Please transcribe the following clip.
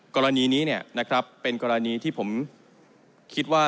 กรณีนี้เป็นกรณีที่ผมคิดว่า